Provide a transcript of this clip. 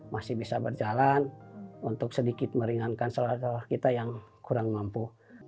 masih bisa berjalan untuk sedikit meringankan saudara saudara kita yang kurang mampu